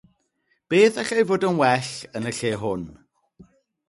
Beth allai fod yn well yn y lle hwn?